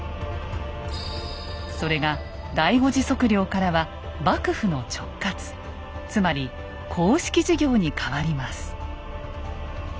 それが第５次測量からは幕府の直轄つまり公式事業に変わります。